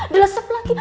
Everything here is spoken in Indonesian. di lesup lagi